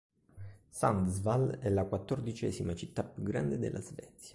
Sundsvall è la quattordicesima città più grande della Svezia.